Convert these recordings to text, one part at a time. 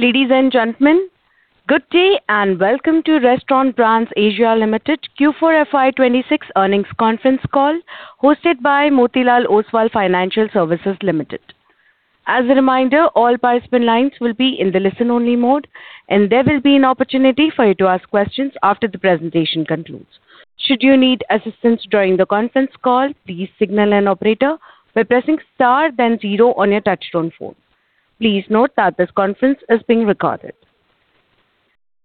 Ladies and gentlemen, good day, and welcome to Restaurant Brands Asia Limited Q4 FY 2026 earnings conference call hosted by Motilal Oswal Financial Services Limited. As a reminder, all participant lines will be in the listen-only mode, and there will be an opportunity for you to ask questions after the presentation concludes. Should you need assistance during the conference call, please signal an operator by pressing Star then Zero on your touchtone phone. Please note that this conference is being recorded.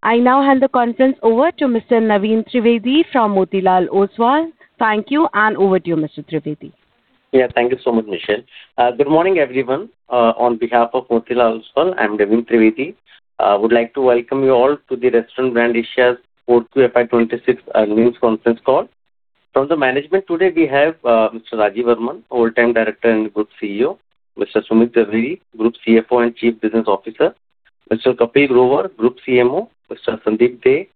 I now hand the conference over to Mr. Naveen Trivedi from Motilal Oswal. Thank you, and over to you, Mr. Trivedi. Yeah. Thank you so much, Michelle. Good morning, everyone. On behalf of Motilal Oswal, I'm Naveen Trivedi. I would like to welcome you all to the Restaurant Brands Asia's Q2 FY 2026 earnings conference call. From the management today we have Mr. Rajeev Varman, Whole Time Director and Group CEO; Mr. Sumit Zaveri, Group CFO and Chief Business Officer; Mr. Kapil Grover, Group CMO; Mr. Sandeep Dey,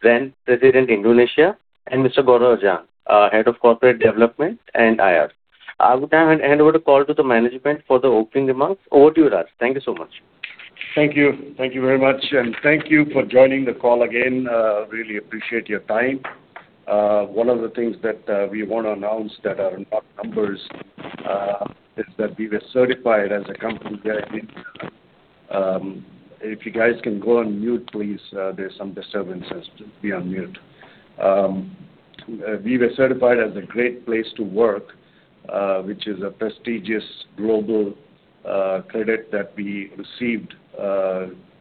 Brand President, Indonesia; and Mr. Gaurav Ajjan, Head of Corporate Development and IR. I would now hand over the call to the management for the opening remarks. Over to you, Raj. Thank you so much. Thank you. Thank you very much. Thank you for joining the call again. Really appreciate your time. One of the things that we wanna announce that are not numbers is that we were certified as a company. If you guys can go on mute, please. There's some disturbances. Be on mute. We were certified as a Great Place to Work, which is a prestigious global credit that we received.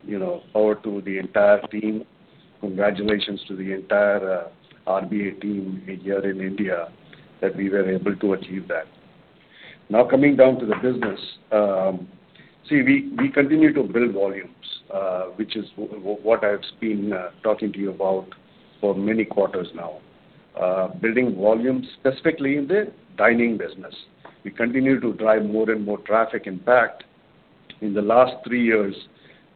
You know, over to the entire team. Congratulations to the entire RBA team here in India that we were able to achieve that. Coming down to the business, see, we continue to build volumes, which is what I've been talking to you about for many quarters now. Building volumes specifically in the dining business. We continue to drive more and more traffic. In fact, in the last three years,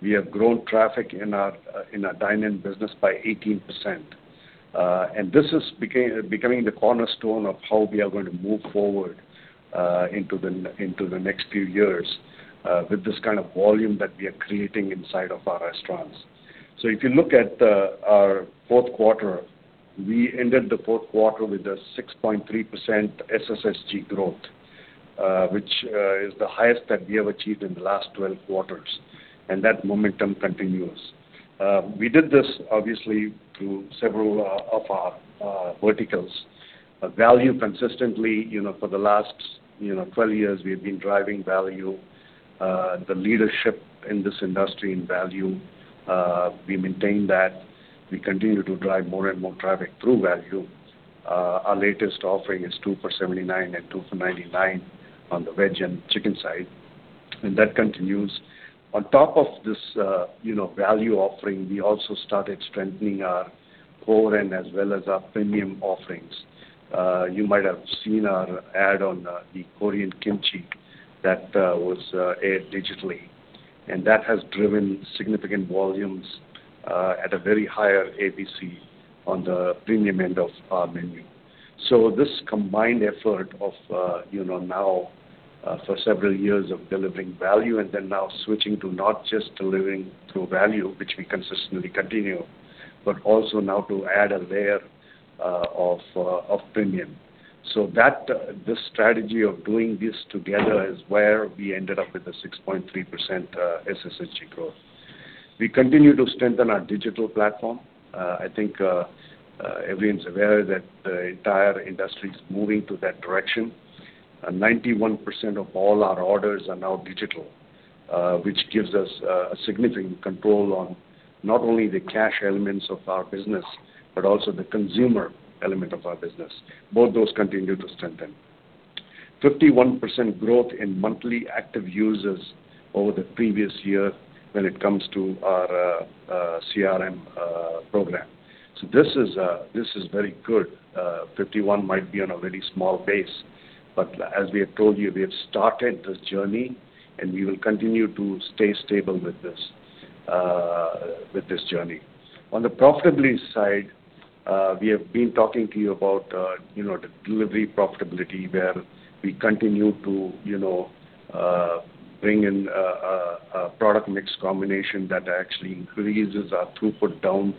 we have grown traffic in our in our dine-in business by 18%. This is becoming the cornerstone of how we are going to move forward into the next few years with this kind of volume that we are creating inside of our restaurants. If you look at our fourth quarter, we ended the fourth quarter with a 6.3% SSSG growth, which is the highest that we have achieved in the last 12 quarters, and that momentum continues. We did this obviously through several of our verticals. Value consistently, you know, for the last, you know, 12 years we've been driving value. The leadership in this industry in value, we maintain that. We continue to drive more and more traffic through value. Our latest offering is two for 79 and two for 99 on the veg and chicken side, and that continues. On top of this, you know, value offering, we also started strengthening our core and as well as our premium offerings. You might have seen our ad on the Korean kimchi that was aired digitally, and that has driven significant volumes at a very higher APC on the premium end of our menu. This combined effort of, you know, now for several years of delivering value and then now switching to not just delivering through value, which we consistently continue, but also now to add a layer of premium. That this strategy of doing this together is where we ended up with a 6.3% SSSG growth. We continue to strengthen our digital platform. I think everyone's aware that the entire industry is moving to that direction. 91% of all our orders are now digital, which gives us a significant control on not only the cash elements of our business but also the consumer element of our business. Both those continue to strengthen. 51% growth in monthly active users over the previous year when it comes to our CRM program. This is very good. 51 might be on a very small base, but as we have told you, we have started this journey, and we will continue to stay stable with this journey. On the profitability side, we have been talking to you about, you know, the delivery profitability, where we continue to, you know, bring in a product mix combination that actually increases our throughput down,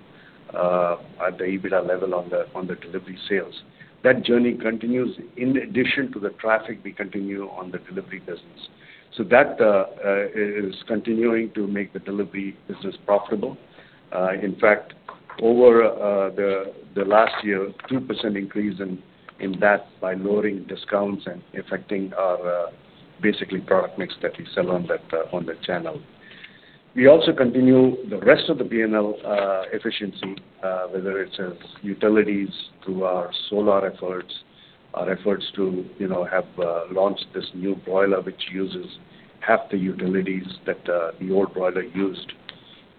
at the EBITDA level on the, on the delivery sales. That journey continues in addition to the traffic we continue on the delivery business. That is continuing to make the delivery business profitable. In fact, over the last year, 2% increase in that by lowering discounts and affecting our, basically product mix that we sell on that, on the channel. We also continue the rest of the P&L efficiency, whether it's as utilities through our solar efforts, our efforts to, you know, have launched this new broiler which uses half the utilities that the old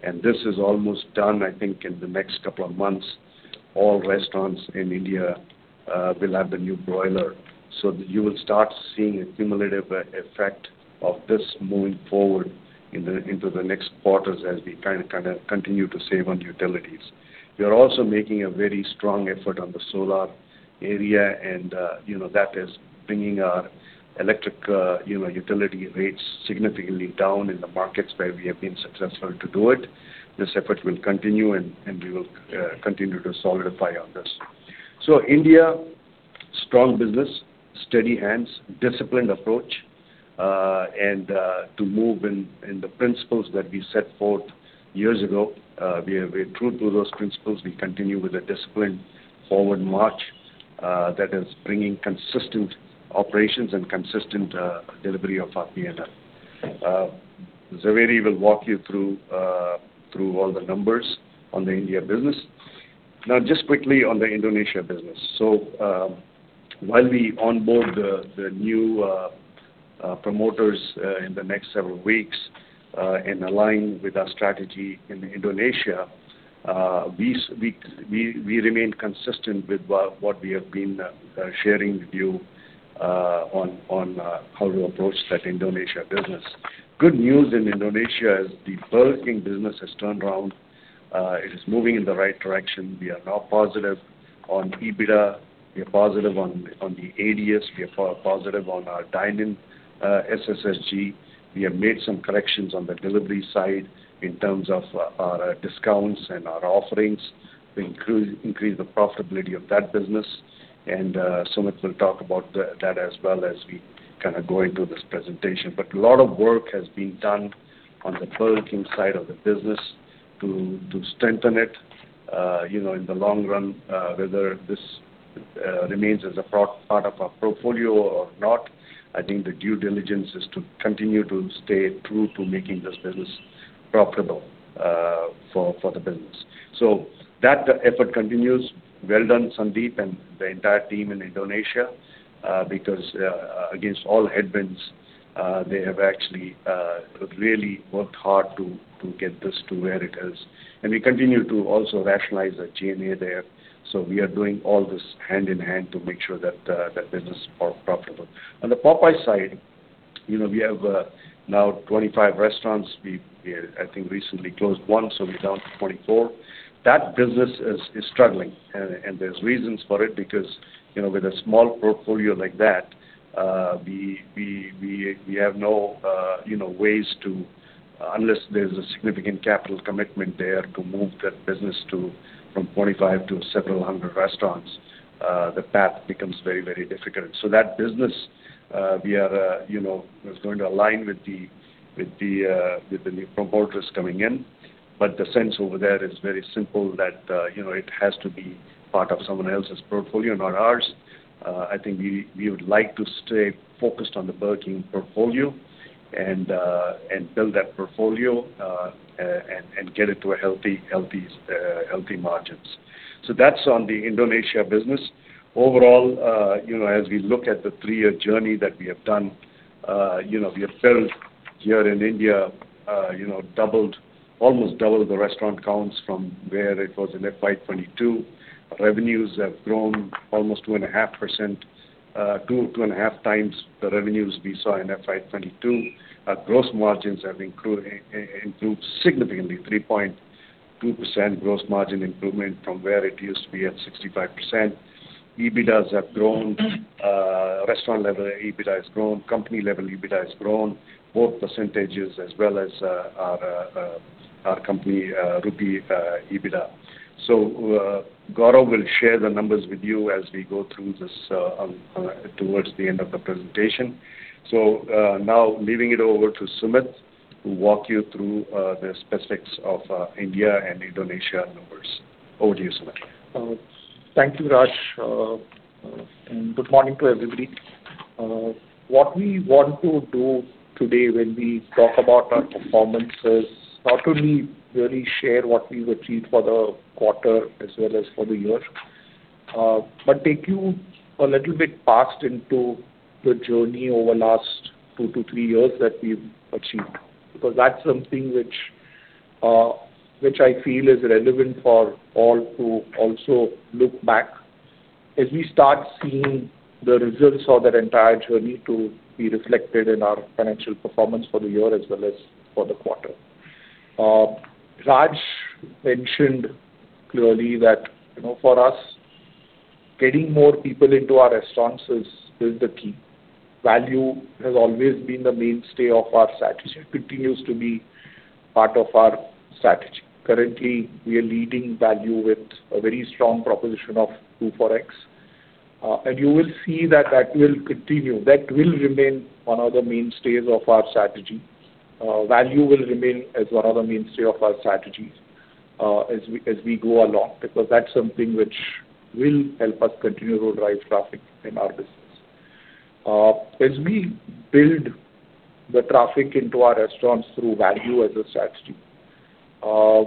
broiler used. This is almost done. I think in the next couple of months, all restaurants in India will have the new broiler. You will start seeing a cumulative effect of this moving forward into the next quarters as we continue to save on utilities. We are also making a very strong effort on the solar area, and, you know, that is bringing our electric, you know, utility rates significantly down in the markets where we have been successful to do it. This effort will continue and we will continue to solidify on this. India, strong business, steady hands, disciplined approach, and to move in the principles that we set forth years ago, we have been true to those principles. We continue with a disciplined forward march that is bringing consistent operations and consistent delivery of our P&L. Zaveri will walk you through all the numbers on the India business. Just quickly on the Indonesia business. While we onboard the new promoters in the next several weeks, in align with our strategy in Indonesia, we remain consistent with what we have been sharing with you on how to approach that Indonesia business. Good news in Indonesia is the Burger King business has turned around. It is moving in the right direction. We are now positive on EBITDA. We are positive on the ADS. We are positive on our dine-in SSSG. We have made some corrections on the delivery side in terms of our discounts and our offerings to increase the profitability of that business, and Sumit will talk about that as well as we kinda go into this presentation. A lot of work has been done on the Burger King side of the business to strengthen it. You know, in the long run, whether this remains as a part of our portfolio or not, I think the due diligence is to continue to stay true to making this business profitable for the business. That effort continues. Well done, Sandeep and the entire team in Indonesia, because against all headwinds, they have actually really worked hard to get this to where it is. We continue to also rationalize the G&A there. We are doing all this hand in hand to make sure that that business is profitable. On the Popeyes side, you know, we have now 25 restaurants. We, I think, recently closed one, so we're down to 24. That business is struggling. There's reasons for it because, you know, with a small portfolio like that, unless there's a significant capital commitment there to move that business from 25 to several hundred restaurants, the path becomes very, very difficult. That business, we are, you know, is going to align with the new promoters coming in. The sense over there is very simple that, you know, it has to be part of someone else's portfolio, not ours. I think we would like to stay focused on the Burger King portfolio and build that portfolio and get it to a healthy margins. That's on the Indonesia business. Overall, you know, as we look at the three-year journey that we have done, you know, we have built here in India, you know, doubled, almost doubled the restaurant counts from where it was in FY 2022. Revenues have grown almost 2.5%, 2.5x the revenues we saw in FY 2022. Our gross margins have improved significantly, 3.2% gross margin improvement from where it used to be at 65%. EBITDAs have grown. Restaurant level EBITDA has grown. Company level EBITDA has grown, both percentages as well as our company rupee EBITDA. Gaurav will share the numbers with you as we go through this towards the end of the presentation. Now leaving it over to Sumit to walk you through the specifics of India and Indonesia numbers. Over to you, Sumit. Thank you, Raj. Good morning to everybody. What we want to do today when we talk about our performance is not only really share what we've achieved for the quarter as well as for the year, but take you a little bit past into the journey over last two to three years that we've achieved. That's something which I feel is relevant for all to also look back as we start seeing the results of that entire journey to be reflected in our financial performance for the year as well as for the quarter. Raj mentioned clearly that, you know, for us, getting more people into our restaurants is the key. Value has always been the mainstay of our strategy. It continues to be part of our strategy. Currently, we are leading value with a very strong proposition of two for X. You will see that that will continue. That will remain one of the mainstays of our strategy. Value will remain as one of the mainstay of our strategies as we go along because that's something which will help us continue to drive traffic in our business. As we build the traffic into our restaurants through value as a strategy,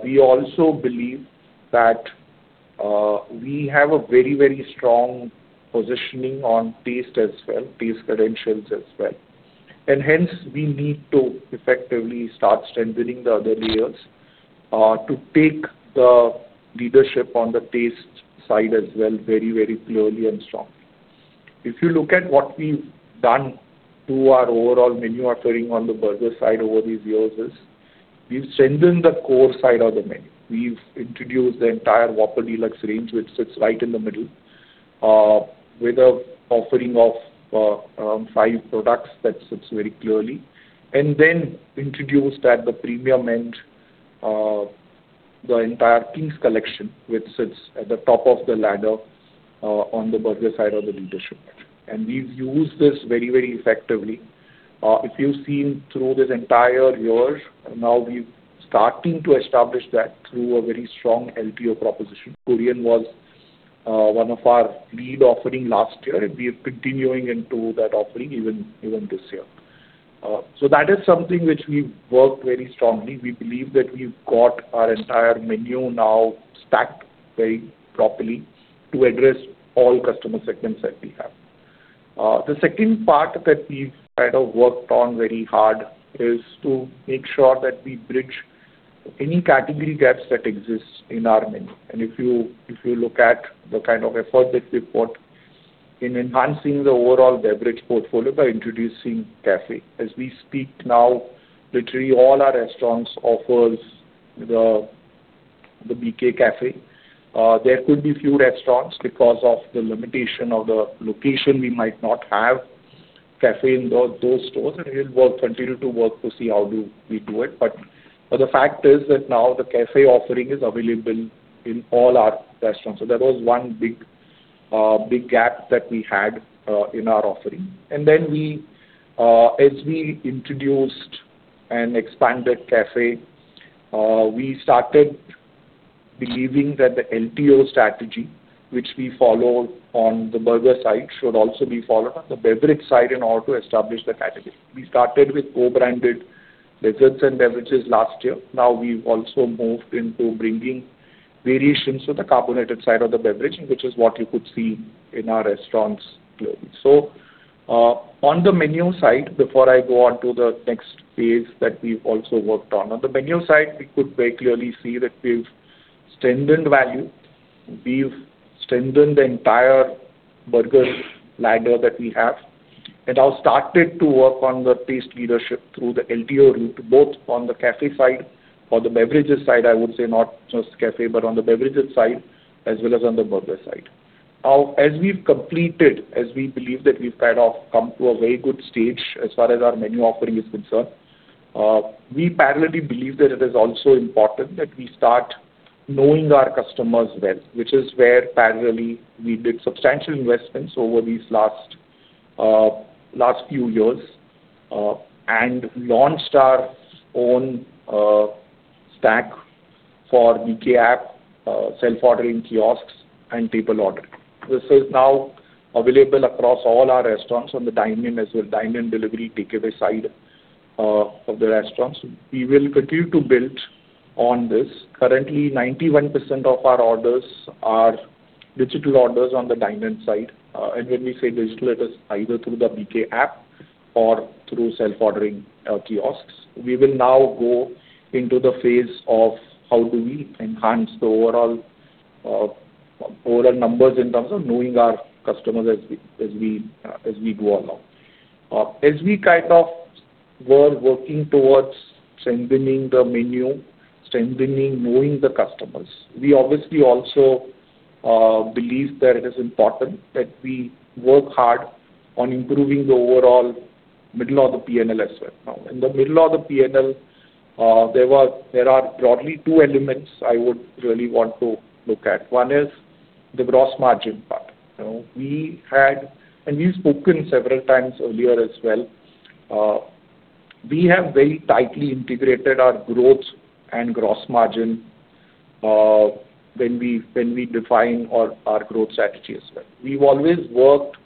we also believe that we have a very strong positioning on taste as well, taste credentials as well. Hence, we need to effectively start strengthening the other layers to take the leadership on the taste side as well very, very clearly and strongly. If you look at what we've done to our overall menu offering on the burger side over these years is we've strengthened the core side of the menu. We've introduced the entire Whopper Deluxe Range, which sits right in the middle, with a offering of five products that sits very clearly. Then introduced at the premium end, the entire Kings Collection, which sits at the top of the ladder, on the burger side of the leadership. We've used this very, very effectively. If you've seen through this entire year, now we're starting to establish that through a very strong LTO proposition. Korean was one of our lead offering last year, and we're continuing into that offering even this year. That is something which we've worked very strongly. We believe that we've got our entire menu now stacked very properly to address all customer segments that we have. The second part that we've kind of worked on very hard is to make sure that we bridge any category gaps that exist in our menu. If you, if you look at the kind of effort that we've put in enhancing the overall beverage portfolio by introducing BK Café. As we speak now, literally all our restaurants offers the BK Café. There could be few restaurants because of the limitation of the location we might not have BK Café in those stores, and we'll continue to work to see how do we do it. The fact is that now the Café offering is available in all our restaurants. That was one big big gap that we had in our offering. We, as we introduced and expanded Café, we started believing that the LTO strategy, which we follow on the burger side, should also be followed on the beverage side in order to establish the category. We started with co-branded desserts and beverages last year. Now, we've also moved into bringing variations to the carbonated side of the beverage, which is what you could see in our restaurants clearly. On the menu side, before I go on to the next phase that we've also worked on. On the menu side, we could very clearly see that we've strengthened value. We've strengthened the entire burger ladder that we have. Now, started to work on the taste leadership through the LTO route, both on the Café side or the beverages side, I would say not just Café, but on the beverages side, as well as on the burger side. Now, as we've completed, as we believe that we've kind of come to a very good stage as far as our menu offering is concerned, we parallelly believe that it is also important that we start knowing our customers well, which is where parallelly we did substantial investments over these last few years, and launched our own stack for BK App, self-ordering kiosks and table order. This is now available across all our restaurants on the dine-in as well, dine-in delivery takeaway side of the restaurants. We will continue to build on this. Currently, 91% of our orders are digital orders on the dine-in side. When we say digital, it is either through the BK App or through self-ordering kiosks. We will now go into the phase of how do we enhance the overall overall numbers in terms of knowing our customers as we go along. As we kind of were working towards strengthening the menu, strengthening knowing the customers, we obviously also believe that it is important that we work hard on improving the overall middle of the P&L as well. Now, in the middle of the P&L, there are broadly two elements I would really want to look at. One is the gross margin part. You know, we've spoken several times earlier as well. We have very tightly integrated our growth and gross margin, when we define our growth strategy as well. We've always worked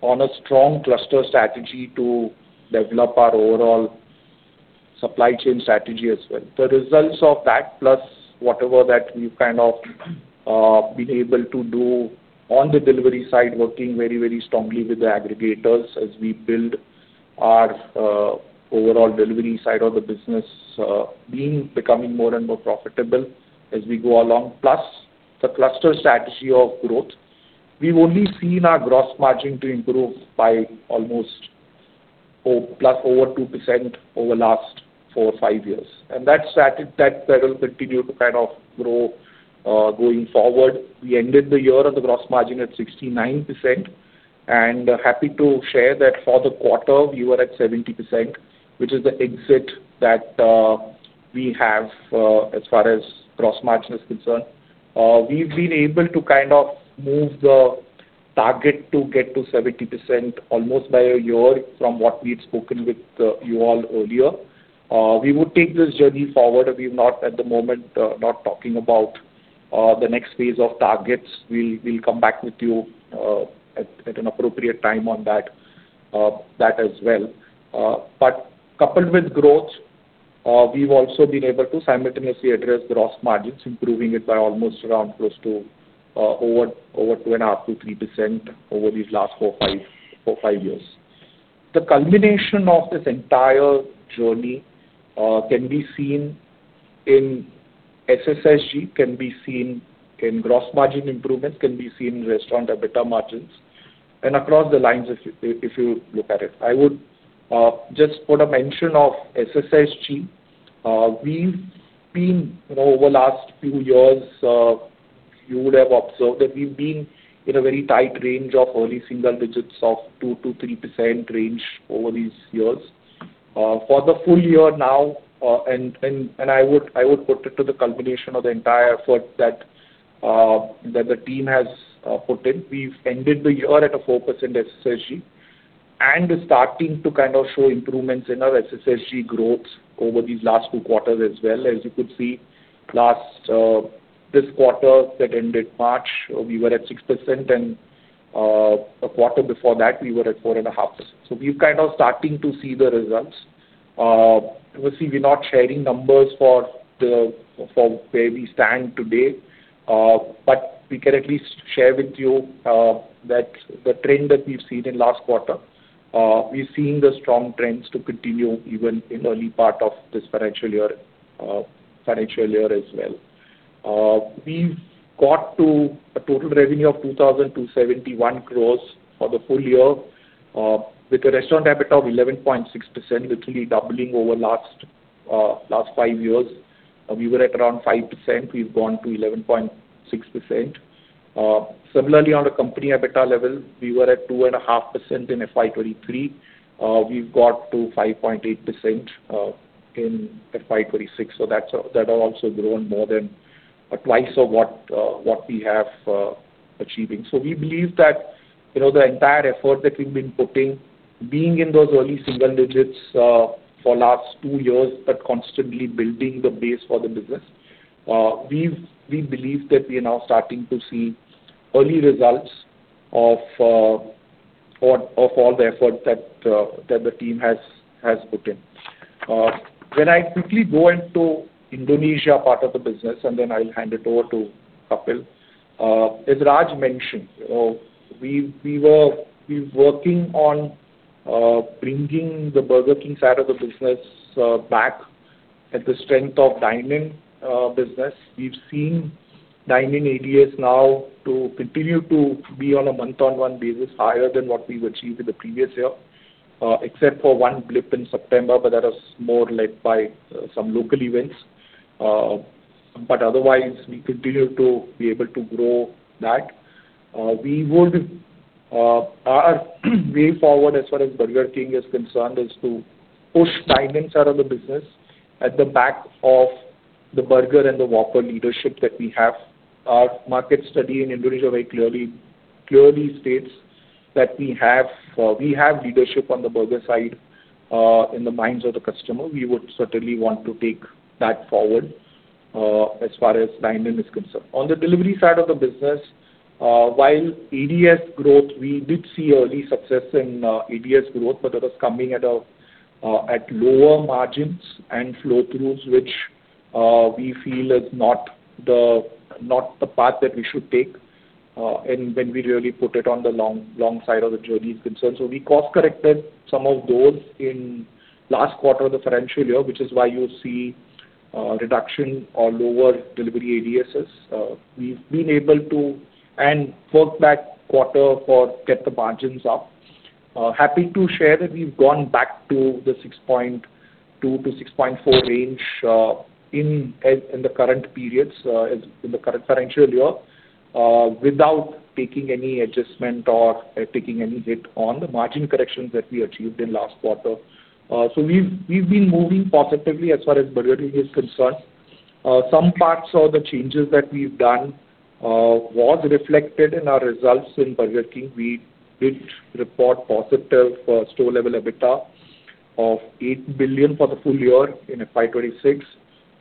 on a strong cluster strategy to develop our overall supply chain strategy as well. The results of that, plus whatever that we've kind of been able to do on the delivery side, working very, very strongly with the aggregators as we build our overall delivery side of the business, becoming more and more profitable as we go along. Plus the cluster strategy of growth. We've only seen our gross margin to improve by almost over 2% over last four to five years. That will continue to grow going forward. We ended the year on the gross margin at 69%. Happy to share that for the quarter we were at 70%, which is the exit that we have as far as gross margin is concerned. We've been able to kind of move the target to get to 70% almost by a year from what we'd spoken with you all earlier. We would take this journey forward. We've not at the moment not talking about the next phase of targets. We'll come back with you at an appropriate time on that as well. Coupled with growth, we’ve also been able to simultaneously address gross margins, improving it by almost around close to 2.5% to 3% over these last four to five years. The culmination of this entire journey can be seen in SSSG, can be seen in gross margin improvements, can be seen in restaurant EBITDA margins and across the lines if you look at it. I would just put a mention of SSSG. We’ve been, you know, over last few years, you would have observed that we’ve been in a very tight range of early single digits of 2%-3% range over these years. For the full year now, and I would put it to the culmination of the entire effort that the team has put in. We've ended the year at a 4% SSSG and starting to kind of show improvements in our SSSG growth over these last two quarters as well. As you could see last, this quarter that ended March, we were at 6% and the quarter before that we were at 4.5%. We're kind of starting to see the results. Obviously we're not sharing numbers for the, for where we stand today, but we can at least share with you that the trend that we've seen in last quarter. We've seen the strong trends to continue even in early part of this financial year, financial year as well. We've got to a total revenue of 2,271 crores for the full year, with a restaurant EBITDA of 11.6%, literally doubling over last five years. We were at around 5%, we've gone to 11.6%. Similarly on a company EBITDA level, we were at 2.5% in FY 2023. We've got to 5.8% in FY 2026. That's, that has also grown more than twice of what we have, achieving. We believe that, you know, the entire effort that we've been putting, being in those early single digits, for last two years, but constantly building the base for the business, we believe that we are now starting to see early results of all the effort that the team has put in. When I quickly go into Indonesia part of the business and then I'll hand it over to Kapil. As Raj mentioned, we're working on bringing the Burger King side of the business back at the strength of dine-in business. We've seen dine-in ADS now to continue to be on a month-on-month basis higher than what we've achieved in the previous year. Except for one blip in September, but that was more led by some local events. Otherwise, we continue to be able to grow that. We would, our way forward as far as Burger King is concerned is to push dine-in side of the business at the back of the burger and the Whopper leadership that we have. Our market study in Indonesia very clearly states that we have, we have leadership on the burger side, in the minds of the customer. We would certainly want to take that forward as far as dine-in is concerned. On the delivery side of the business, while ADS growth, we did see early success in ADS growth, but that was coming at a at lower margins and flow throughs, which we feel is not the path that we should take, and when we really put it on the long side of the journey is concerned. We course corrected some of those in last quarter of the financial year, which is why you see reduction or lower delivery ADSs. We've been able to and work back quarter for get the margins up. Happy to share that we've gone back to the 6.2%-6.4% range in the current periods in the current financial year without taking any adjustment or taking any hit on the margin corrections that we achieved in last quarter. We've been moving positively as far as Burger King is concerned. Some parts of the changes that we've done was reflected in our results in Burger King. We did report positive store level EBITDA of 8 billion for the full year in FY 2026.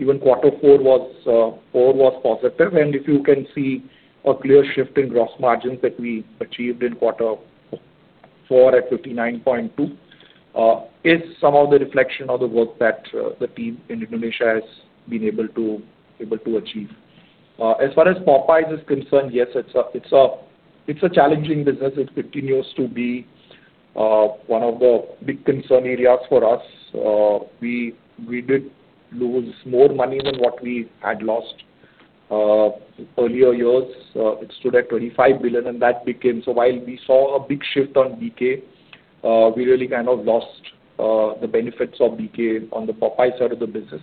Even quarter four was positive. If you can see a clear shift in gross margins that we achieved in quarter four at 59.2 is some of the reflection of the work that the team in Indonesia has been able to achieve. As far as Popeyes is concerned, yes, it's a challenging business. It continues to be one of the big concern areas for us. We did lose more money than what we had lost earlier years. It stood at 25 billion. While we saw a big shift on BK, we really kind of lost the benefits of BK on the Popeyes side of the business.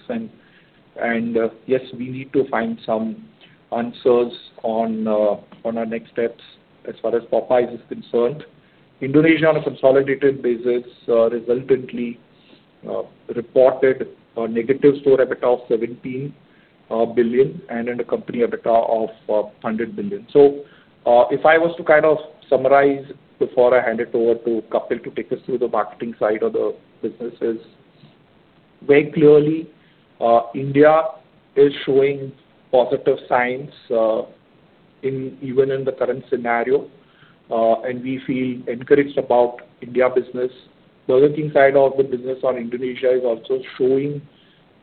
Yes, we need to find some answers on our next steps as far as Popeyes is concerned. Indonesia on a consolidated basis, resultantly, reported a negative store EBITDA of 17 billion and then a company EBITDA of 100 billion. If I was to kind of summarize before I hand it over to Kapil to take us through the marketing side of the businesses. Very clearly, India is showing positive signs, even in the current scenario, and we feel encouraged about India business. Burger King side of the business on Indonesia is also showing.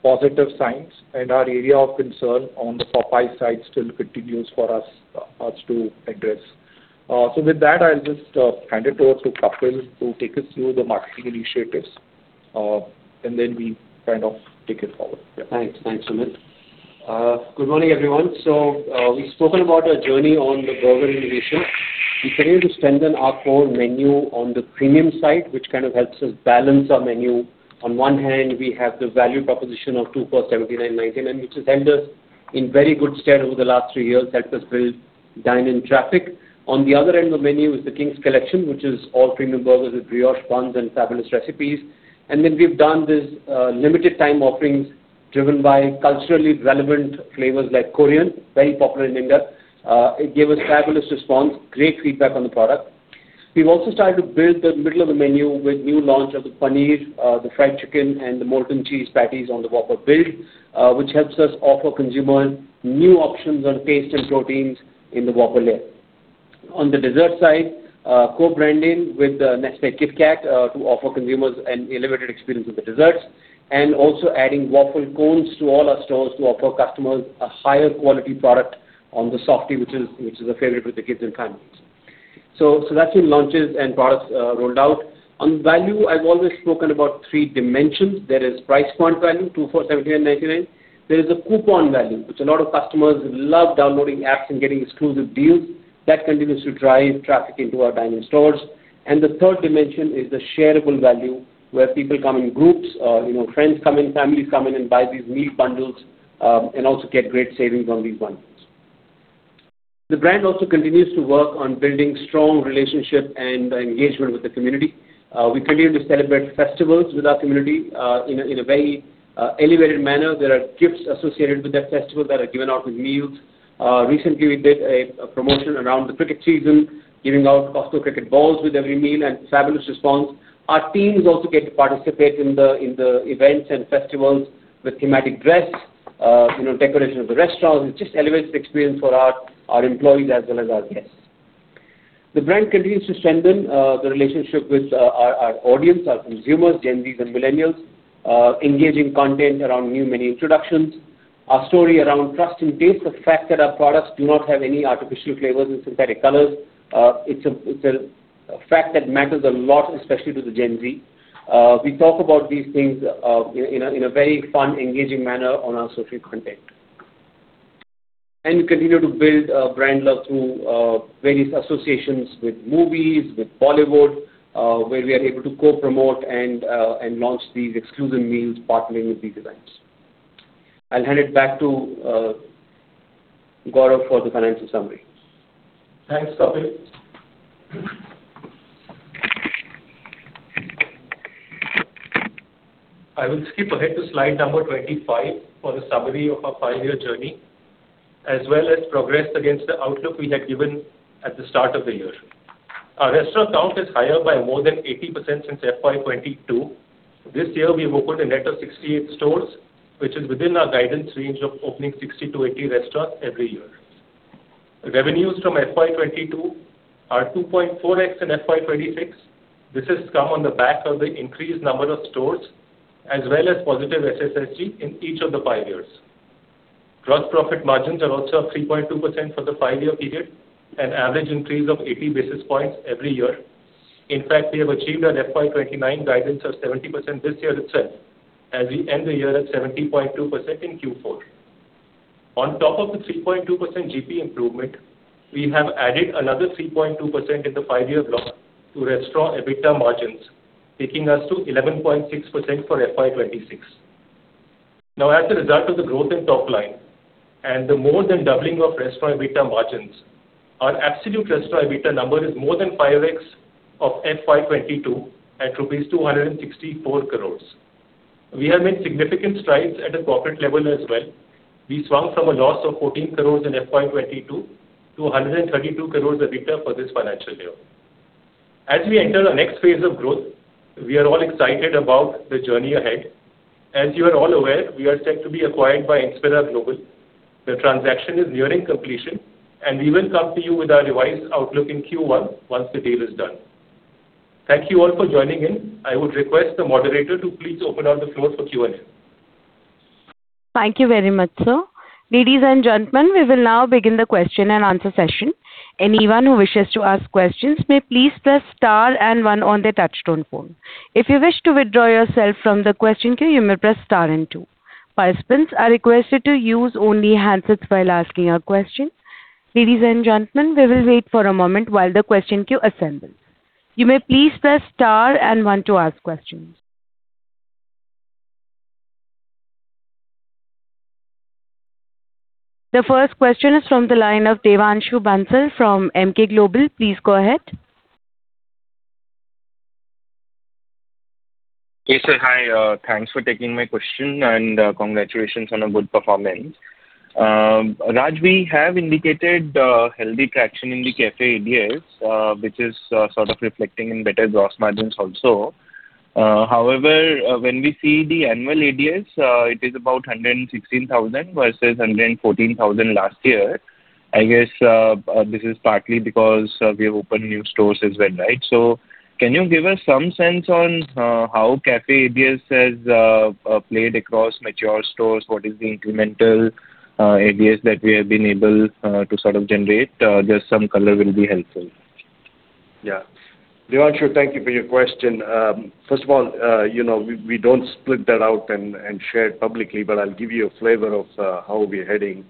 Positive signs and our area of concern on the Popeyes side still continues for us to address. With that, I'll just hand it over to Kapil to take us through the marketing initiatives. We kind of take it forward. Thanks. Thanks, Sumit. Good morning, everyone. We've spoken about our journey on the burger innovation. We continue to strengthen our core menu on the premium side, which kind of helps us balance our menu. On one hand, we have the value proposition of two for 79.99, which has held us in very good stead over the last three years, helped us build dine-in traffic. On the other end of menu is the Kings Collection, which is all premium burgers with brioche buns and fabulous recipes. We've done this limited time offerings driven by culturally relevant flavors like Korean, very popular in India. It gave us fabulous response, great feedback on the product. We've also started to build the middle of the menu with new launch of the paneer, the fried chicken and the molten cheese patties on the Whopper Build, which helps us offer consumers new options on taste and proteins in the Whopper layer. On the dessert side, co-branding with Nestlé KitKat, to offer consumers an elevated experience with the desserts. Also adding waffle cones to all our stores to offer customers a higher quality product on the softie, which is a favorite with the kids and families. That's in launches and products rolled out. On value, I've always spoken about three dimensions. There is price point value, two for 79.99. There is a coupon value, which a lot of customers love downloading apps and getting exclusive deals. That continues to drive traffic into our dine-in stores. The third dimension is the shareable value, where people come in groups, you know, friends come in, families come in and buy these meal bundles, and also get great savings on these bundles. The brand also continues to work on building strong relationship and engagement with the community. We continue to celebrate festivals with our community in a very elevated manner. There are gifts associated with that festival that are given out with meals. Recently we did a promotion around the cricket season, giving out Cosco Cricket Balls with every meal and fabulous response. Our teams also get to participate in the events and festivals with thematic dress, you know, decoration of the restaurant. It just elevates the experience for our employees as well as our guests. The brand continues to strengthen the relationship with our audience, our consumers, Gen Z and millennials. Engaging content around new menu introductions. Our story around trust and taste, the fact that our products do not have any artificial flavors and synthetic colors, it's a fact that matters a lot, especially to the Gen Z. We talk about these things in a very fun, engaging manner on our social content. We continue to build brand love through various associations with movies, with Bollywood, where we are able to co-promote and launch these exclusive meals partnering with these events. I'll hand it back to Gaurav for the financial summary. Thanks, Kapil. I will skip ahead to slide number 25 for the summary of our five-year journey, as well as progress against the outlook we had given at the start of the year. Our restaurant count is higher by more than 80% since FY 2022. This year we have opened a net of 68 stores, which is within our guidance range of opening 60 to 80 restaurants every year. Revenues from FY 2022 are 2.4x in FY 2026. This has come on the back of the increased number of stores as well as positive SSSG in each of the five years. Gross profit margins are also up 3.2% for the five-year period, an average increase of 80 basis points every year. In fact, we have achieved our FY 2029 guidance of 70% this year itself as we end the year at 70.2% in Q4. On top of the 3.2% GP improvement, we have added another 3.2% in the 5-year growth to restaurant EBITDA margins, taking us to 11.6% for FY 2026. As a result of the growth in top line and the more than doubling of restaurant EBITDA margins, our absolute restaurant EBITDA number is more than five times of FY 2022 at INR 264 crores. We have made significant strides at a corporate level as well. We swung from a loss of 14 crores in FY 2022 to 132 crores EBITDA for this financial year. As we enter our next phase of growth, we are all excited about the journey ahead. As you are all aware, we are set to be acquired by Inspira Global. The transaction is nearing completion, and we will come to you with our revised outlook in Q1 once the deal is done. Thank you all for joining in. I would request the moderator to please open up the floor for Q&A. Thank you very much, sir. Ladies and gentlemen, we will now begin the question and answer session. Anyone who wishes to ask questions may please press star and one on their touchtone phone. If you wish to withdraw yourself from the question queue, you may press star and two. Participants are requested to use only handsets while asking a question. Ladies and gentlemen, we will wait for a moment while the question queue assembles. You may please press star and one to ask questions. The first question is from the line of Devanshu Bansal from Emkay Global. Please go ahead. Yes, sir. Hi, thanks for taking my question, and congratulations on a good performance. Raj, we have indicated healthy traction in the Café ADS, which is sort of reflecting in better gross margins also. However, when we see the annual ADS, it is about 116,000 versus 114,000 last year. I guess, this is partly because we have opened new stores as well, right? Can you give us some sense on how Café ADS has played across mature stores? What is the incremental ADS that we have been able to sort of generate? Just some color will be helpful. Yeah. Devanshu, thank you for your question. First of all, you know, we don't split that out and share it publicly. I'll give you a flavor of how we're heading.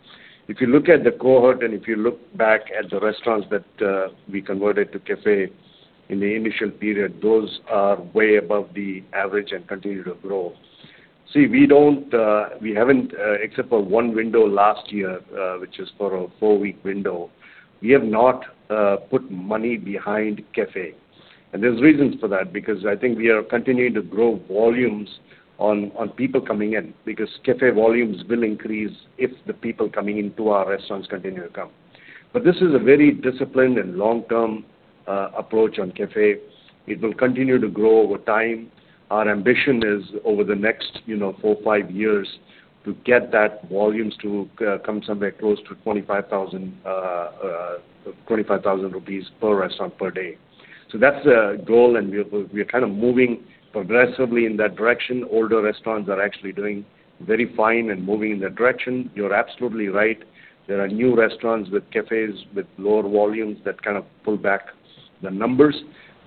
If you look at the cohort and if you look back at the restaurants that we converted to Café in the initial period, those are way above the average and continue to grow. See, we don't, we haven't, except for one window last year, which is for a four-week window, we have not put money behind Café. There's reasons for that, because I think we are continuing to grow volumes on people coming in because Café volumes will increase if the people coming into our restaurants continue to come. This is a very disciplined and long-term approach on Café. It will continue to grow over time. Our ambition is over the next, you know, four, five years to get that volumes to come somewhere close to 25,000 rupees per restaurant per day. That's the goal and we're kind of moving progressively in that direction. Older restaurants are actually doing very fine and moving in that direction. You're absolutely right. There are new restaurants with Cafés with lower volumes that kind of pull back the numbers.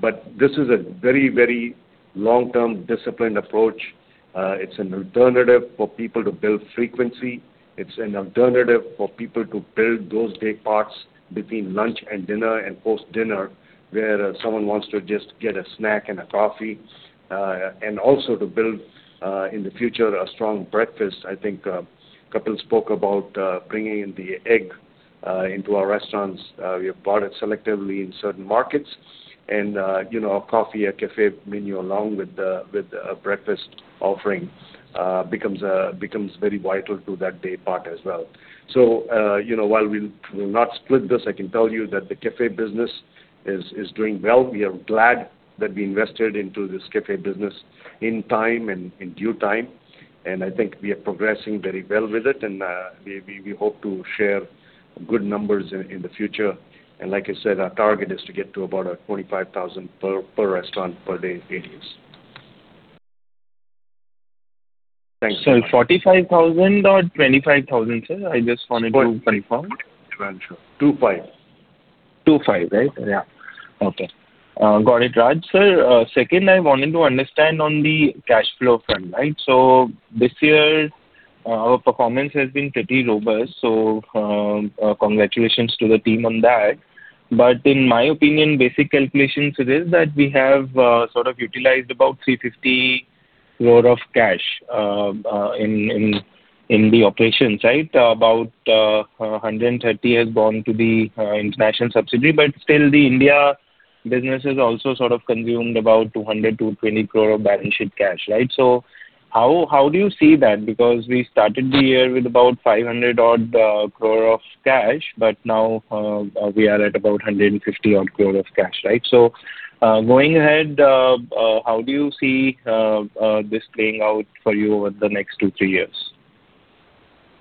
This is a very, very long-term disciplined approach. It's an alternative for people to build frequency. It's an alternative for people to build those day parts between lunch and dinner and post-dinner where someone wants to just get a snack and a coffee. Also to build in the future a strong breakfast. I think Kapil spoke about bringing in the egg into our restaurants. We have brought it selectively in certain markets and, you know, a coffee, a Café menu along with a breakfast offering becomes very vital to that day part as well. You know, while we'll not split this, I can tell you that the Café business is doing well. We are glad that we invested into this Café business in time and in due time, I think we are progressing very well with it and we hope to share good numbers in the future. Like I said, our target is to get to about 25,000 per restaurant per day ADS. Thank you. Sorry, 45,000 or 25,000, sir? I just wanted to confirm. 25, Devanshu. 25. 25, right? Yeah. Okay. Got it, Raj. Sir, second I wanted to understand on the cash flow front, right? This year, our performance has been pretty robust, so congratulations to the team on that. In my opinion, basic calculations it is that we have sort of utilized about 350 crore of cash in the operations, right? About 130 has gone to the international subsidiary, still the India business has also sort of consumed about 200 crore-220 crore of balance sheet cash, right? How do you see that? Because we started the year with about 500 odd crore of cash, now we are at about 150 odd crore of cash, right? Going ahead, how do you see this playing out for you over the next two, three years?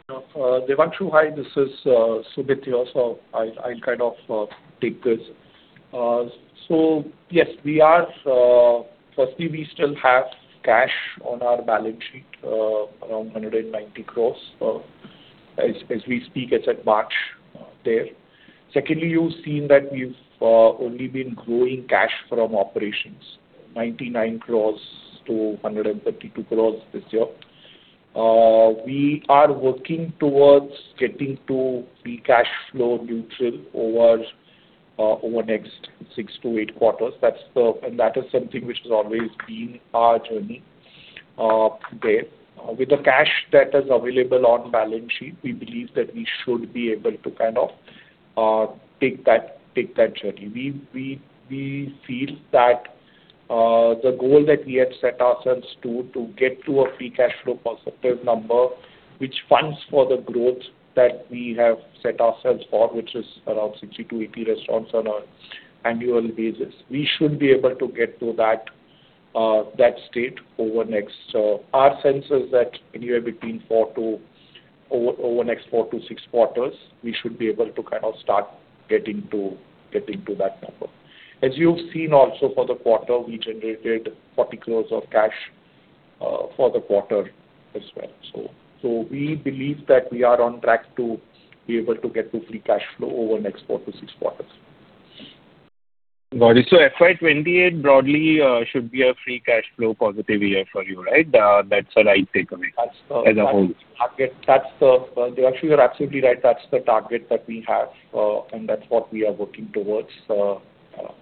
Devanshu, hi, this is Sumit here. I'll kind of take this. Yes, we are, firstly we still have cash on our balance sheet, around 190 crores as we speak, it's at March there. Secondly, you've seen that we've only been growing cash from operations, 99 crores to 132 crores this year. We are working towards getting to be cash flow neutral over next six to eight quarters. That is something which has always been our journey there. With the cash that is available on balance sheet, we believe that we should be able to kind of take that journey. We feel that the goal that we have set ourselves to get to a free cash flow positive number which funds for the growth that we have set ourselves for, which is around 60 to 80 restaurants on an annual basis, we should be able to get to that state. Our sense is that anywhere between four to six quarters, we should be able to start getting to that number. As you've seen also for the quarter, we generated 40 crores of cash for the quarter as well. We believe that we are on track to be able to get to free cash flow over next four to six quarters. Got it. FY 2028 broadly, should be a free cash flow positive year for you, right? That's what I take away as a whole. That's the target. That's the Devanshu, you're absolutely right. That's the target that we have, and that's what we are working towards,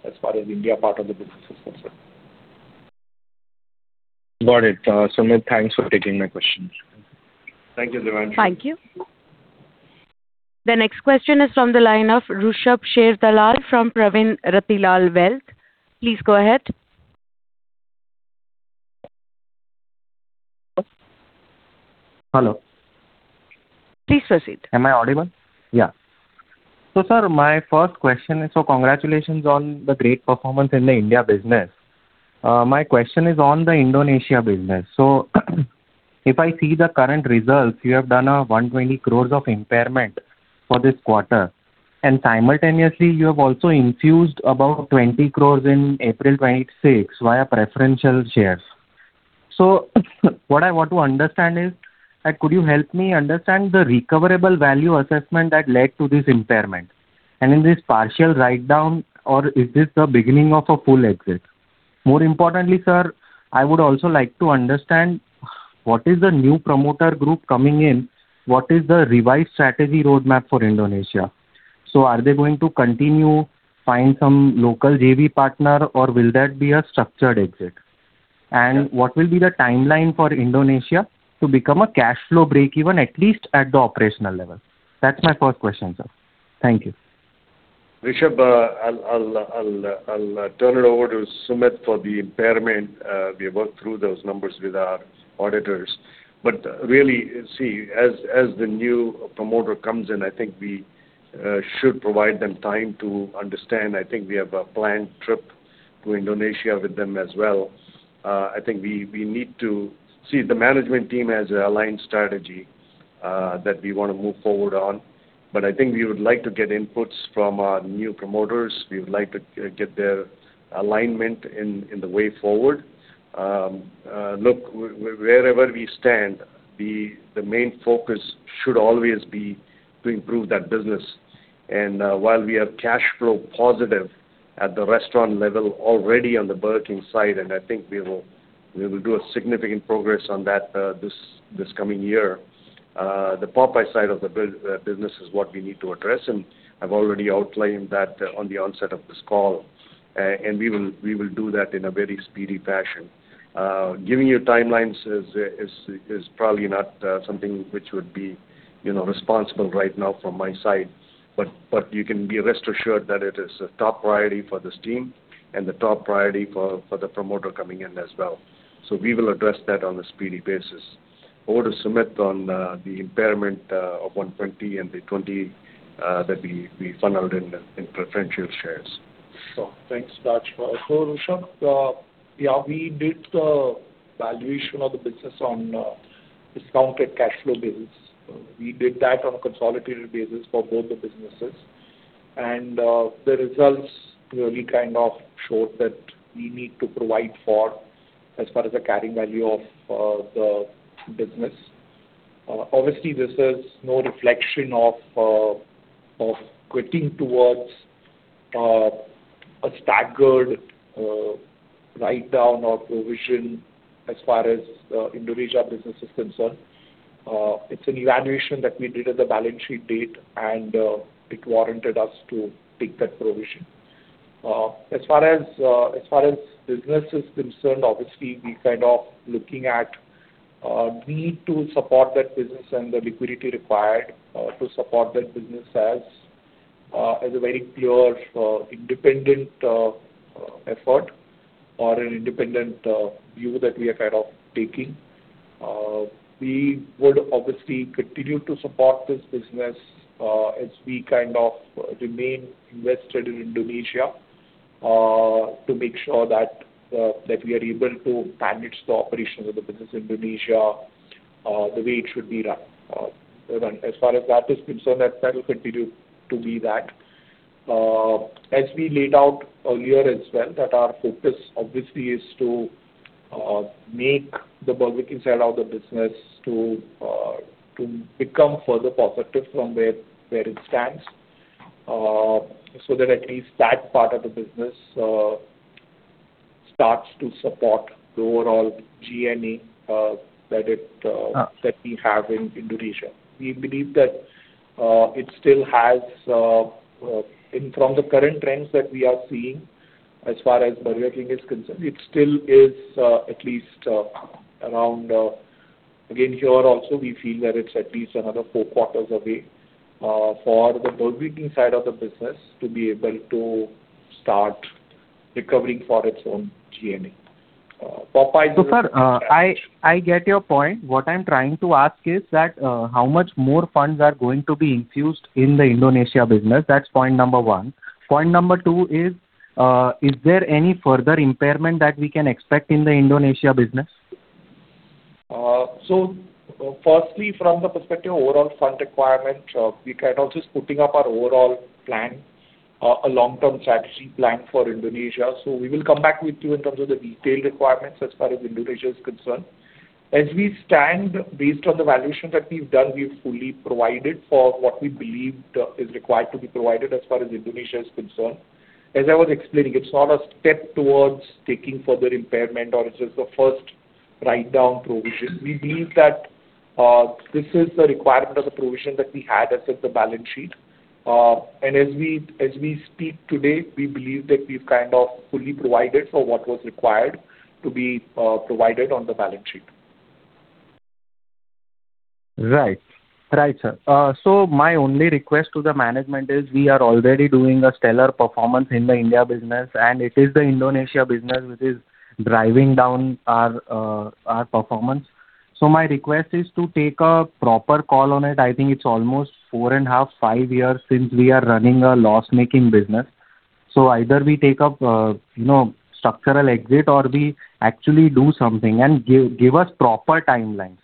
as far as India part of the business is concerned. Got it. Sumit, thanks for taking my questions. Thank you, Devanshu. Thank you. The next question is from the line of Rushabh Sharedalal from Pravin Ratilal Wealth. Please go ahead. Hello. Please proceed. Am I audible? Yeah. Sir, my first question is, congratulations on the great performance in the India business. My question is on the Indonesia business. If I see the current results, you have done a 120 crores of impairment for this quarter. Simultaneously, you have also infused about 20 crores in April 26 via preferential shares. What I want to understand is, could you help me understand the recoverable value assessment that led to this impairment? Is this partial write down, or is this the beginning of a full exit? More importantly, sir, I would also like to understand what is the new promoter group coming in, what is the revised strategy roadmap for Indonesia? Are they going to continue, find some local JV partner, or will that be a structured exit? Yeah. What will be the timeline for Indonesia to become a cash flow break even at least at the operational level? That's my first question, sir. Thank you. Rushabh, I'll turn it over to Sumit for the impairment. We worked through those numbers with our auditors. Really, as the new promoter comes in, I think we should provide them time to understand. I think we have a planned trip to Indonesia with them as well. I think we need to see the management team has an aligned strategy that we wanna move forward on. I think we would like to get inputs from our new promoters. We would like to get their alignment in the way forward. Look, wherever we stand, the main focus should always be to improve that business. While we are cash flow positive at the restaurant level already on the Burger King side, I think we will do a significant progress on that this coming year. The Popeyes side of the business is what we need to address, I've already outlined that on the onset of this call. We will do that in a very speedy fashion. Giving you timelines is probably not something which would be, you know, responsible right now from my side. You can be rest assured that it is a top priority for this team and the top priority for the promoter coming in as well. We will address that on a speedy basis. Over to Sumit on the impairment of 120 and 20 that we funneled in preferential shares. Sure. Thanks, Raj. Rushabh, yeah, we did the valuation of the business on a discounted cash flow basis. We did that on a consolidated basis for both the businesses. The results really kind of showed that we need to provide for as far as the carrying value of the business. Obviously this is no reflection of quitting towards a staggered write down or provision as far as Indonesia business is concerned. It's an evaluation that we did at the balance sheet date, and it warranted us to take that provision. As far as far as business is concerned, obviously we kind of looking at, need to support that business and the liquidity required, to support that business as a very pure, independent, effort or an independent, view that we are kind of taking. We would obviously continue to support this business, as we kind of remain invested in Indonesia, to make sure that we are able to manage the operations of the business Indonesia, the way it should be run. As far as that is concerned, that that will continue to be that. As we laid out earlier as well, that our focus obviously is to make the Burger King side of the business to become further positive from where it stands, so that at least that part of the business starts to support the overall G&A. That we have in Indonesia. We believe that, it still has. From the current trends that we are seeing as far as Burger King is concerned, it still is, at least, around, again, here also we feel that it's at least another four quarters away, for the Burger King side of the business to be able to start recovering for its own G&A. Popeyes is- Sir, I get your point. What I am trying to ask is that, how much more funds are going to be infused in the Indonesia business? That is point one. Point two is there any further impairment that we can expect in the Indonesia business? Firstly, from the perspective of overall fund requirement, we kind of just putting up our overall plan, a long-term strategy plan for Indonesia. We will come back with you in terms of the detailed requirements as far as Indonesia is concerned. As we stand based on the valuation that we've done, we've fully provided for what we believed is required to be provided as far as Indonesia is concerned. As I was explaining, it's not a step towards taking further impairment or it's just a first write down provision. We believe that this is the requirement of the provision that we had as at the balance sheet. As we speak today, we believe that we've kind of fully provided for what was required to be provided on the balance sheet. Right. Right, sir. My only request to the management is we are already doing a stellar performance in the India business, and it is the Indonesia business which is driving down our performance. My request is to take a proper call on it. I think it's almost 4.5 years since we are running a loss-making business. Either we take up, you know, structural exit or we actually do something. Give us proper timelines.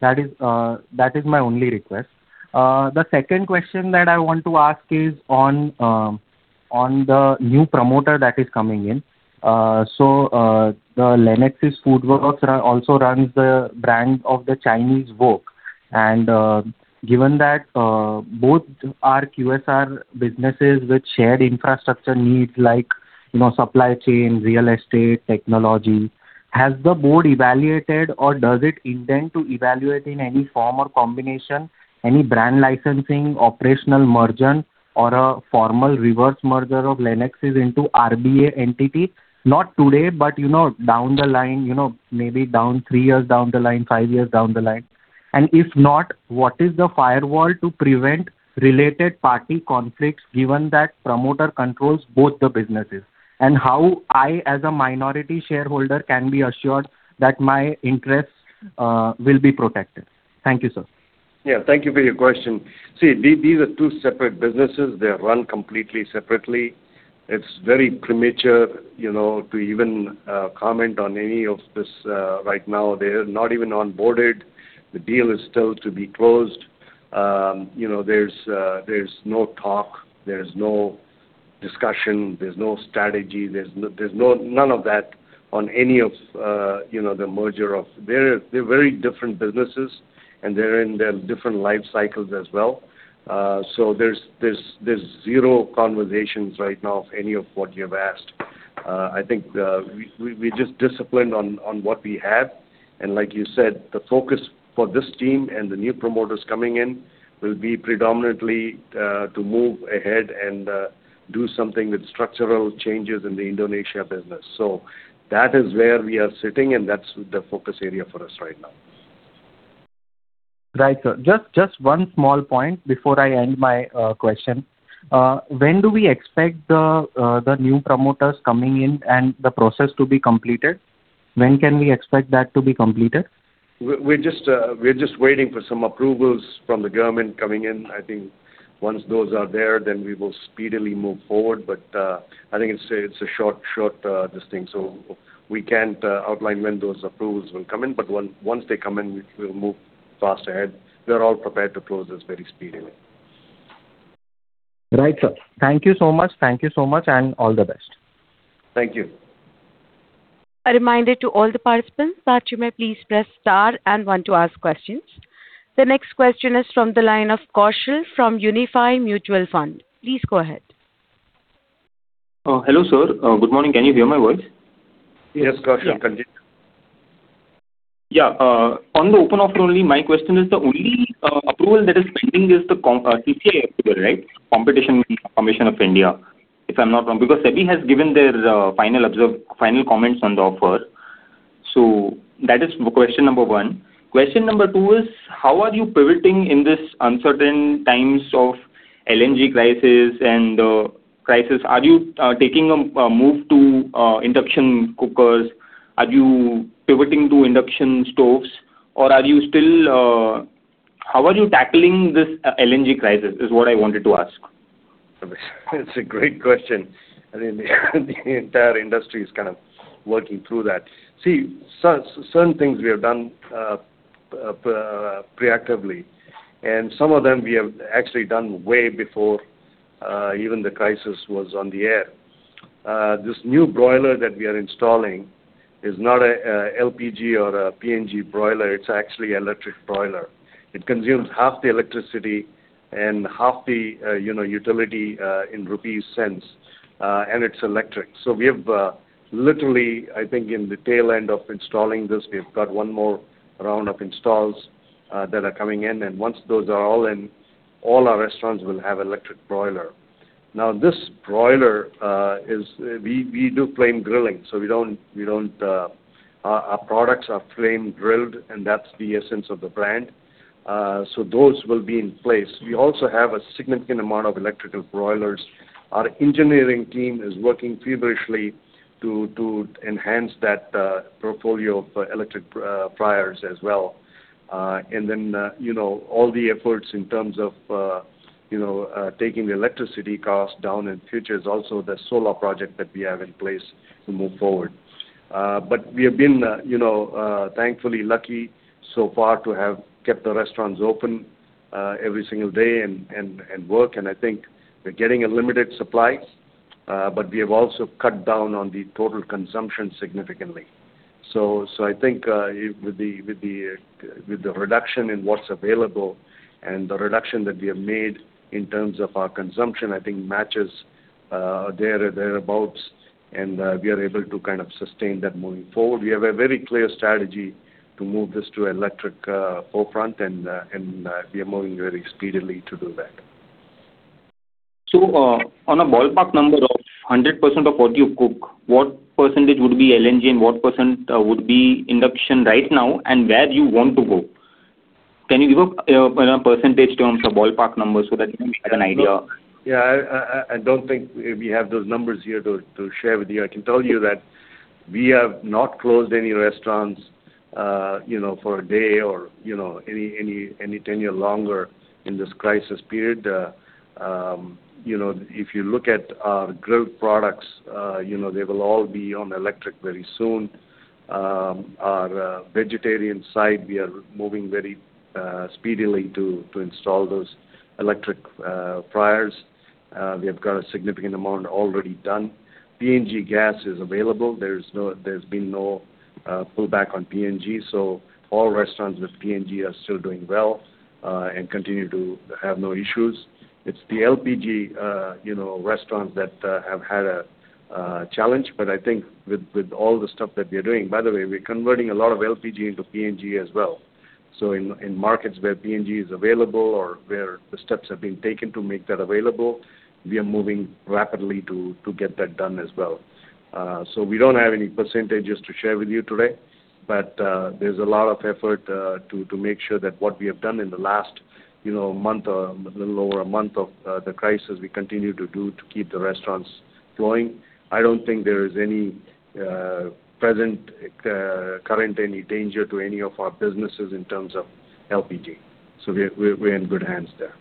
That is my only request. The second question that I want to ask is on the new promoter that is coming in. The Lenexis Foodworks also runs the brand of the Chinese Wok. Given that both are QSR businesses with shared infrastructure needs like, you know, supply chain, real estate, technology, has the board evaluated or does it intend to evaluate in any form or combination any brand licensing, operational merger or a formal reverse merger of Lenexis into RBA entity? Not today, but you know, down the line, you know, maybe down three years down the line, five years down the line. If not, what is the firewall to prevent related party conflicts given that promoter controls both the businesses? How I as a minority shareholder can be assured that my interests will be protected? Thank you, sir. Thank you for your question. These are two separate businesses. They're run completely separately. It's very premature, you know, to even comment on any of this right now. They're not even onboarded. The deal is still to be closed. You know, there's no talk, there's no discussion, there's no strategy, there's none of that on any of, you know, the merger of They're very different businesses and they're in their different life cycles as well. There's zero conversations right now of any of what you have asked. I think we just disciplined on what we have. Like you said, the focus for this team and the new promoters coming in will be predominantly to move ahead and do something with structural changes in the Indonesia business. That is where we are sitting and that's the focus area for us right now. Right, sir. Just one small point before I end my question. When do we expect the new promoters coming in and the process to be completed? When can we expect that to be completed? We're just waiting for some approvals from the government coming in. I think once those are there, then we will speedily move forward. I think it's a short this thing. We can't outline when those approvals will come in, but once they come in, we'll move fast ahead. We are all prepared to close this very speedily. Right, sir. Thank you so much. Thank you so much and all the best. Thank you. A reminder to all the participants to actually please press star and one to ask questions. The next question is from the line of Kaushal Mehta from Unifi Mutual Fund. Please go ahead. Hello, sir. Good morning. Can you hear my voice? Yes, Kaushal. I can hear. On the open offer only, my question is the only approval that is pending is the CCI approval, right? Competition Commission of India, if I'm not wrong. SEBI has given their final comments on the offer. That is question number one. Question number two is, how are you pivoting in this uncertain times of LNG crisis and prices? Are you taking a move to induction cookers? Are you pivoting to induction stoves? How are you tackling this LNG crisis is what I wanted to ask. It's a great question. I mean, the entire industry is kind of working through that. Certain things we have done proactively, and some of them we have actually done way before even the crisis was on the air. This new broiler that we are installing is not a LPG or a PNG broiler, it's actually electric broiler. It consumes half the electricity and half the, you know, utility in rupee sense, and it's electric. We have literally, I think in the tail end of installing this, we've got one more round of installs that are coming in. Once those are all in, all our restaurants will have electric broiler. Now, this broiler, We do flame grilling, so we don't our products are flame grilled, and that's the essence of the brand. Those will be in place. We also have a significant amount of electrical broilers. Our engineering team is working feverishly to enhance that portfolio of electric fryers as well. You know, all the efforts in terms of, you know, taking the electricity cost down in future is also the solar project that we have in place to move forward. We have been, you know, thankfully lucky so far to have kept the restaurants open every single day and work. I think we're getting a limited supply, but we have also cut down on the total consumption significantly. I think with the reduction in what's available and the reduction that we have made in terms of our consumption, I think matches there, thereabouts, and we are able to kind of sustain that moving forward. We have a very clear strategy to move this to electric forefront and we are moving very speedily to do that. On a ballpark number of 100% of what you cook, what percentage would be LPG and what percent would be induction right now, and where do you want to go? Can you give a, you know, percentage terms or ballpark numbers so that we can have an idea? I don't think we have those numbers here to share with you. I can tell you that we have not closed any restaurants, you know, for a day or, you know, any tenure longer in this crisis period. You know, if you look at our grilled products, you know, they will all be on electric very soon. Our vegetarian side, we are moving very speedily to install those electric fryers. We have got a significant amount already done. PNG gas is available. There's been no pullback on PNG, so all restaurants with PNG are still doing well and continue to have no issues. It's the LPG, you know, restaurants that have had a challenge, but I think with all the stuff that we are doing. By the way, we're converting a lot of LPG into PNG as well. In markets where PNG is available or where the steps have been taken to make that available, we are moving rapidly to get that done as well. We don't have any percentages to share with you today, but there's a lot of effort to make sure that what we have done in the last, you know, month or little over a month of the crisis, we continue to do to keep the restaurants flowing. I don't think there is any current danger to any of our businesses in terms of LPG. We're in good hands there.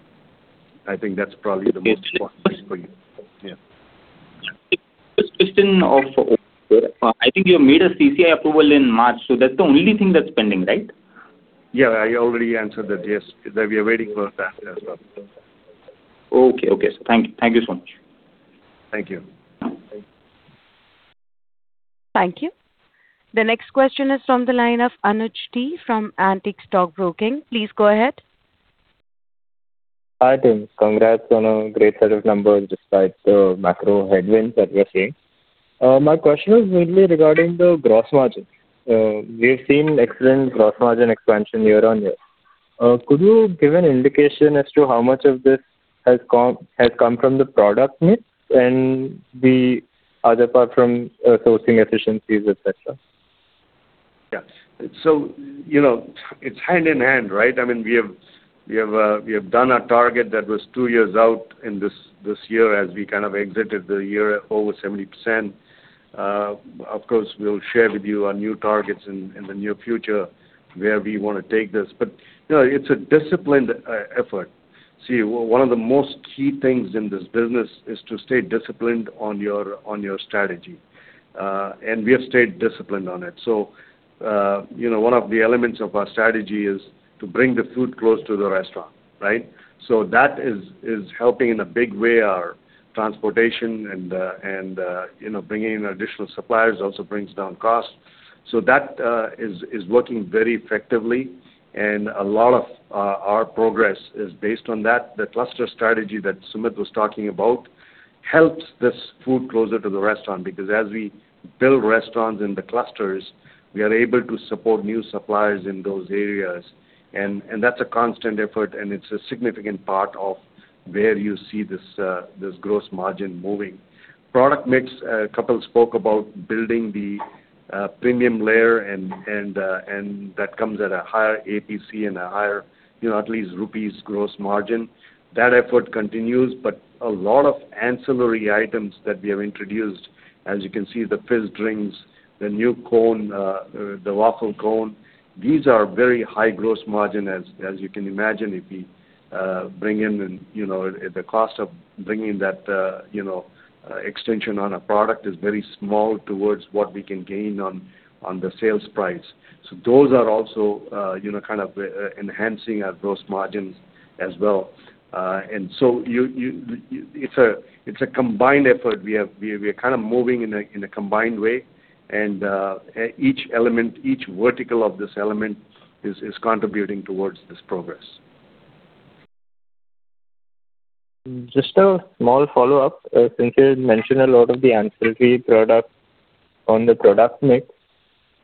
I think that's probably the most important thing for you. Yeah. I think you made a CCI approval in March, so that's the only thing that's pending, right? Yeah, I already answered that. Yes. That we are waiting for that as well. Okay. Okay. Thank you so much. Thank you. Thank you. The next question is from the line of Anuj D from Antique Stock Broking. Please go ahead. Hi, team. Congrats on a great set of numbers despite the macro headwinds that we are seeing. My question is mainly regarding the gross margin. We've seen excellent gross margin expansion year on year. Could you give an indication as to how much of this has come from the product mix and the other part from sourcing efficiencies, et cetera? Yes. You know, it's hand in hand, right? I mean, we have, we have done our target that was two years out in this year as we kind of exited the year over 70%. Of course, we'll share with you our new targets in the near future where we wanna take this. You know, it's a disciplined effort. See, one of the most key things in this business is to stay disciplined on your strategy. And we have stayed disciplined on it. You know, one of the elements of our strategy is to bring the food close to the restaurant, right? That is helping in a big way our transportation and, you know, bringing in additional suppliers also brings down costs. That is working very effectively, and a lot of our progress is based on that. The cluster strategy that Sumit was talking about helps this food closer to the restaurant because as we build restaurants in the clusters, we are able to support new suppliers in those areas. That's a constant effort, and it's a significant part of where you see this gross margin moving. Product mix, Kapil spoke about building the premium layer and that comes at a higher APC and a higher, you know, at least INR gross margin. That effort continues, but a lot of ancillary items that we have introduced, as you can see, the fizz drinks, the new cone, the waffle cone, these are very high gross margin. As you can imagine, if we bring in, you know, the cost of bringing that, you know, extension on a product is very small towards what we can gain on the sales price. Those are also, you know, kind of, enhancing our gross margins as well. It's a combined effort. We are kind of moving in a combined way. Each element, each vertical of this element is contributing towards this progress. Just a small follow-up. Since you had mentioned a lot of the ancillary product on the product mix,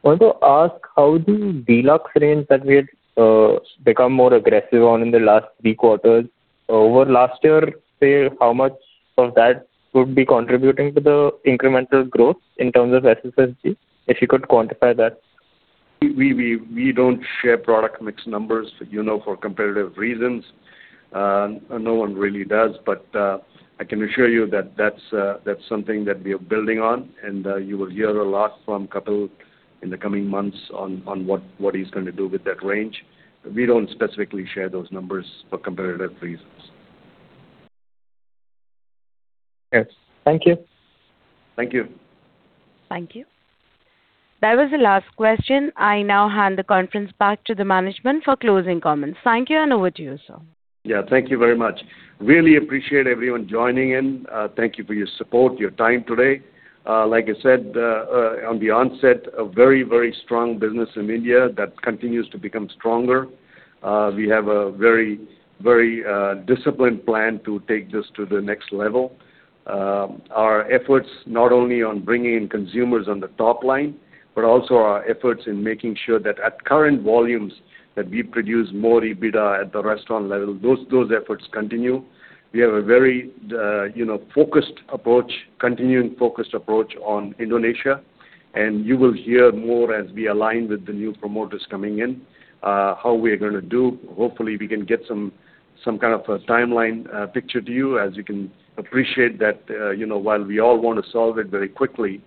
I want to ask how the deluxe range that we had become more aggressive on in the last three quarters. Over last year, say how much of that would be contributing to the incremental growth in terms of SSSG? If you could quantify that. We don't share product mix numbers, you know, for competitive reasons. No one really does. I can assure you that that's something that we are building on, and you will hear a lot from Kapil in the coming months on what he's gonna do with that range. We don't specifically share those numbers for competitive reasons. Yes. Thank you. Thank you. Thank you. That was the last question. I now hand the conference back to the management for closing comments. Thank you, and over to you, sir. Yeah. Thank you very much. Really appreciate everyone joining in. Thank you for your support, your time today. Like I said, on the onset, a very, very strong business in India that continues to become stronger. We have a very, very disciplined plan to take this to the next level. Our efforts not only on bringing in consumers on the top line but also our efforts in making sure that at current volumes, that we produce more EBITDA at the restaurant level. Those efforts continue. We have a very, you know, focused approach, continuing focused approach on Indonesia, and you will hear more as we align with the new promoters coming in, how we are gonna do. Hopefully, we can get some kind of a timeline picture to you. As you can appreciate that, you know, while we all want to solve it very quickly,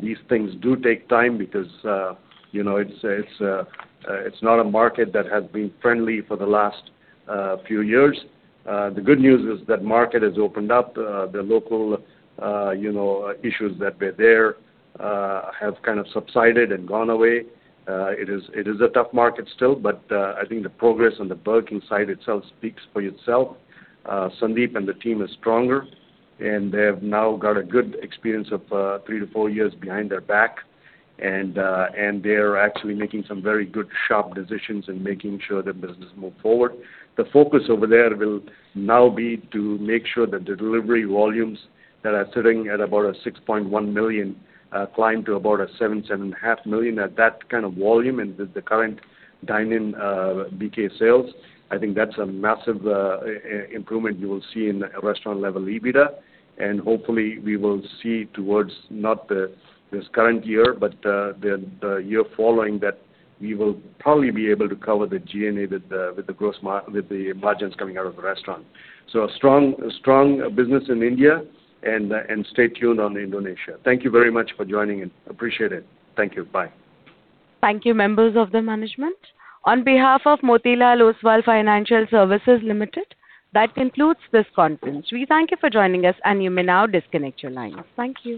these things do take time because, you know, it's, it's not a market that has been friendly for the last few years. The good news is that market has opened up. The local, you know, issues that were there, have kind of subsided and gone away. It is, it is a tough market still, but I think the progress on the Burger King side itself speaks for itself. Sandeep and the team is stronger, and they have now got a good experience of three to four years behind their back. They're actually making some very good, sharp decisions in making sure the business move forward. The focus over there will now be to make sure that the delivery volumes that are sitting at about 6.1 million climb to about 7 million-7.5 million. At that kind of volume and with the current dine-in BK sales, I think that's a massive improvement you will see in restaurant level EBITDA. Hopefully, we will see towards not this current year but the year following that we will probably be able to cover the G&A with the gross margins coming out of the restaurant. A strong business in India and stay tuned on Indonesia. Thank you very much for joining in. Appreciate it. Thank you. Bye. Thank you, members of the management. On behalf of Motilal Oswal Financial Services Limited, that concludes this conference. We thank you for joining us, and you may now disconnect your lines. Thank you.